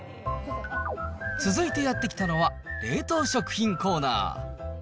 続いてやって来たのは、冷凍食品コーナー。